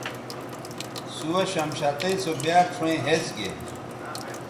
سُوہ شمشتئ سو بیاد شؤیں ھِس گے